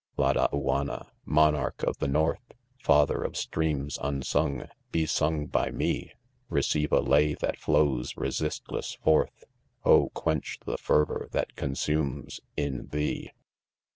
Ladauanna ! monarch of the north f Father of streams unsung, be sung by me !— Receive a lay that flows resistless forth ! Oh! quench the fervor that consumes, in thee